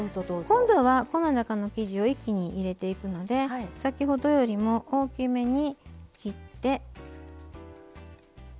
今度はこの中の生地を一気に入れていくので先ほどよりも大きめに切って。